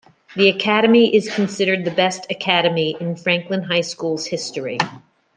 This academy is considered the best academy in Franklin High School's history.